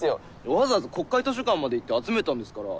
わざわざ国会図書館まで行って集めたんですから。